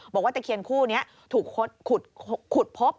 บอกว่าตะเคียนคู่นี้ถูกขุดพบ